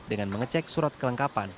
dengan mengecek surat kelengkapan